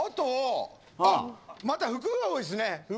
服が多いですね。